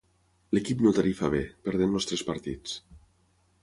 L'equip no tarifa bé, perdent els tres partits.